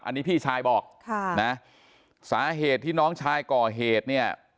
อันนี้พี่ชายบอกค่ะนะสาเหตุที่น้องชายก่อเหตุเนี่ย